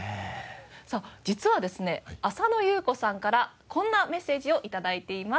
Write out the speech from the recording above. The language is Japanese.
さあ実はですね浅野ゆう子さんからこんなメッセージを頂いています。